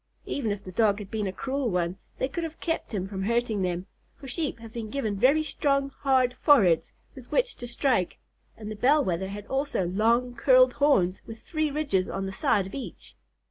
Even if the Dog had been a cruel one, they could have kept him from hurting them, for Sheep have been given very strong, hard foreheads with which to strike, and the Bell Wether had also long, curled horns with three ridges on the side of each.